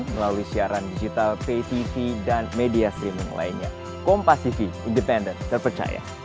yang berinisial km kemudian istrinya berinisial oj